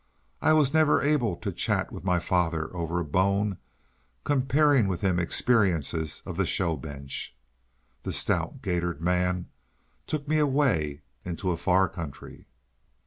I was never able to chat with my father over a bone, comparing with him experiences of the show bench. The stout, gaitered man took me away into a far country.